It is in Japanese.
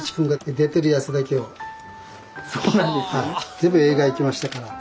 全部映画行きましたから。